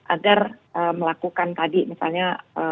agar melakukan tadi misalnya